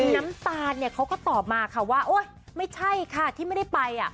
น้ำตาลเนี่ยเขาก็ตอบมาค่ะว่าโอ๊ยไม่ใช่ค่ะที่ไม่ได้ไป